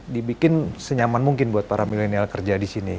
dibikin senyaman mungkin buat para milenial kerja di sini